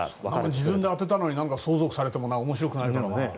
自分で当てたのに相続されても面白くないだろうね。